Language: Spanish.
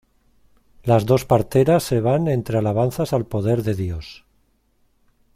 Los dos parteras se van entre alabanzas al poder de Dios.